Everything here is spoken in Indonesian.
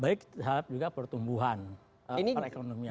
baik terhadap juga pertumbuhan perekonomian